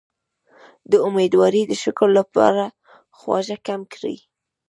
د امیدوارۍ د شکر لپاره خواږه کم کړئ